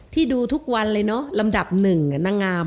ดูทุกวันเลยเนอะลำดับหนึ่งนางงาม